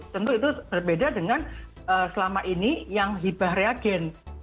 tentu itu berbeda dengan selama ini yang hibah reagen